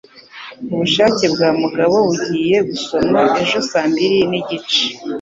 Ubushake bwa Mugabo bugiye gusomwa ejo saa mbiri nigice.